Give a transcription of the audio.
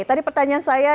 tadi pertanyaan saya